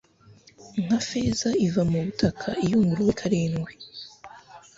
nka feza iva mu butaka, iyunguruwe karindwi